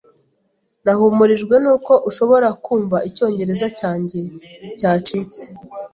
Nahumurijwe nuko ushobora kumva icyongereza cyanjye cyacitse.